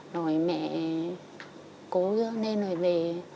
rồi mẹ cố lên rồi về